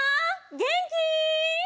げんき？